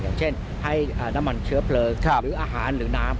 อย่างเช่นให้น้ำมันเชื้อเพลิงหรืออาหารหรือน้ำ